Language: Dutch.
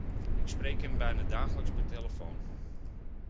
Ik spreek hem bijna dagelijks per telefoon.